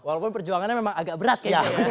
walaupun perjuangannya memang agak berat ya